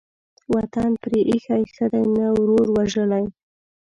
وطن پرې ايښى ښه دى ، نه ورور وژلى.